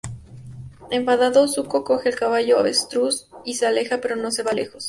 Enfadado, Zuko coge el caballo-avestruz y se aleja, pero no se va lejos.